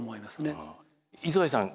磯貝さん